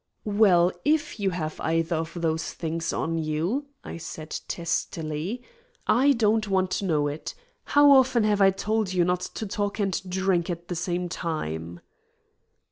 "Well, if you have either of those things on you," I said testily, "I don't want to know it. How often have I told you not to talk and drink at the same time?"